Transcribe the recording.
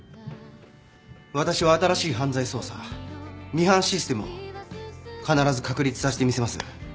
私は新しい犯罪捜査ミハンシステムを必ず確立させてみせます。